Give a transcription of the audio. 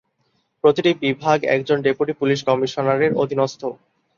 প্রতিটি বিভাগ একজন ডেপুটি পুলিশ কমিশনারের অধীনস্থ।